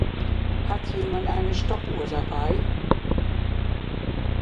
Hat jemand eine Stoppuhr dabei?